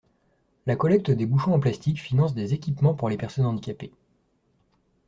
La collecte des bouchons en plastique finance des équipements pour les personnes handicapées.